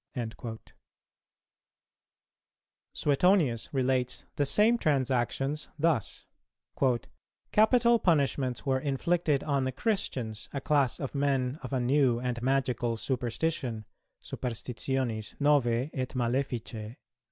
Suetonius relates the same transactions thus: "Capital punishments were inflicted on the Christians, a class of men of a new and magical superstition (superstitionis novæ et maleficæ)."